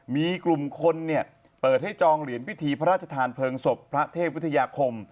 มีกลุ่มคนเปิดให้จองเหรียญพิธีพระราชทานเพลิงศพพระเทพวิทยาคม